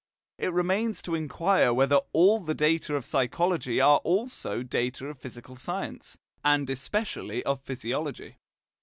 It remains to inquire whether all the data of psychology are also data of physical science, and especially of physiology.